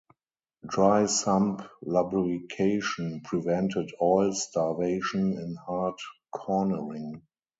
Dry sump lubrication prevented oil starvation in hard cornering.